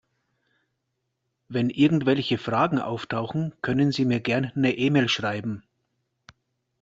Wenn irgendwelche Fragen auftauchen, können Sie mir gern 'ne E-Mail schreiben.